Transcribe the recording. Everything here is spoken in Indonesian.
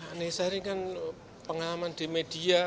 pak nesari kan pengalaman di media